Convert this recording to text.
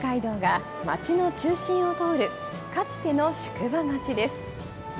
甲州街道が町の中心を通る、かつての宿場町です。